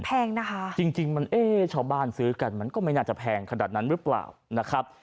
แพงนะคะจริงชาวบ้านซื้อกันมันก็ไม่น่าจะแพงขนาดนั้นรึเปล่านะครับ